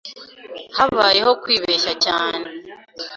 Habayeho kwibeshya cyane.